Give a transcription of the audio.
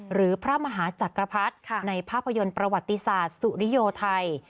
หรือพระมหาจักรพรรดิในภาพยนตร์ประวัติศาสตร์สุริโยไทย